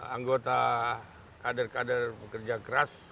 anggota kader kader pekerja keras